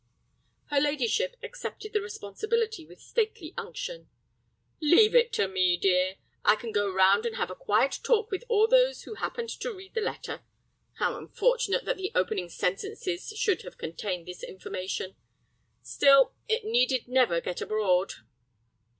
Her ladyship accepted the responsibility with stately unction. "Leave it to me, dear. I can go round and have a quiet talk with all those who happened to read the letter. How unfortunate that the opening sentences should have contained this information. Still, it need never get abroad."